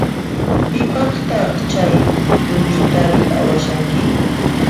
Pipaqtaq chay punchutari awashanki?